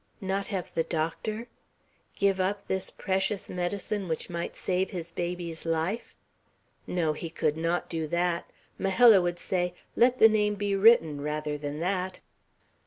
Not have the doctor? Give up this precious medicine which might save his baby's life? No! he could not do that. Majella would say, let the name be written, rather than that.